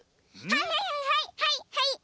はいはいはいはい！